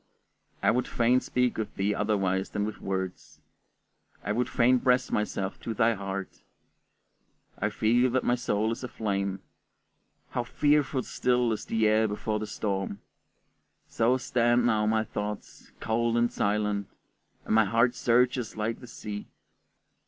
I would fain speak with thee otherwise than with words; I would fain press myself to thy heart. I feel that my soul is aflame. How fearfully still is the air before the storm! So stand now my thoughts, cold and silent, and my heart surges like the sea.